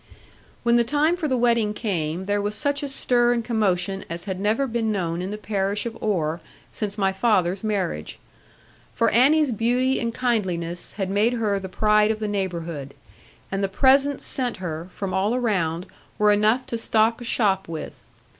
When the time for the wedding came, there was such a stir and commotion as had never been known in the parish of Oare since my father's marriage. For Annie's beauty and kindliness had made her the pride of the neighbourhood; and the presents sent her, from all around, were enough to stock a shop with.